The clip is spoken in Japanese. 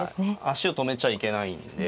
足を止めちゃいけないんで。